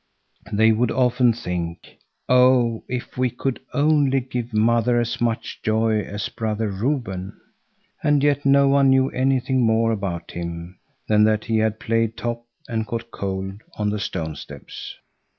They would often think: "Oh, if we could only give mother as much joy as Brother Reuben!" And yet no one knew anything more about him than that he had played top and caught cold on the stone steps.